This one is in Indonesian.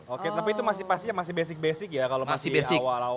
oke tapi itu masih basic basic ya kalau masih awal awal